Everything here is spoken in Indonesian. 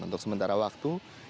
untuk sementara waktu